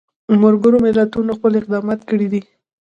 ملګرو ملتونو خپل اقدامات کړي دي.